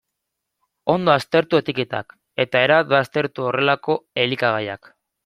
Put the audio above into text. Ondo aztertu etiketak, eta erabat baztertu horrelako elikagaiak.